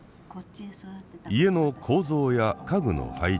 家の構造や家具の配置。